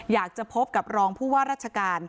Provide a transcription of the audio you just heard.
อยากจะพบกับรองผู้ว่าราชการ